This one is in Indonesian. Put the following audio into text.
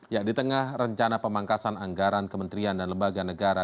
ya di tengah rencana pemangkasan anggaran kementerian dan lembaga negara